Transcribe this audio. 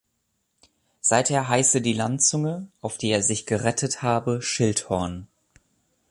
Seither heiße die Landzunge, auf die er sich gerettet habe, Schildhorn.